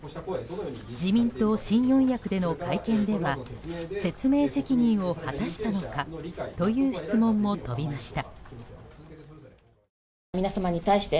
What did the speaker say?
自民党新四役での会見では説明責任を果たしたのか？という質問も飛びました。